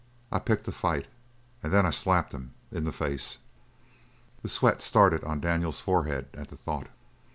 I picked a fight, and then I slapped him in the face." The sweat started on Daniels' forehead at the thought.